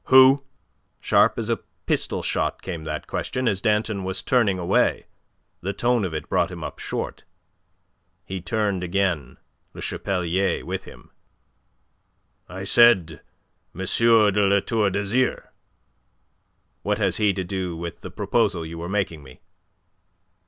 "Who?" Sharp as a pistol shot came that question, as Danton was turning away. The tone of it brought him up short. He turned again, Le Chapelier with him. "I said M. de La Tour d'Azyr." "What has he to do with the proposal you were making me?"